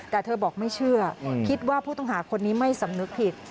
แต่เธอบอกไม่เชื่อคิดว่าผู้ต้องหาคนนี้ไม่สำนึกผิด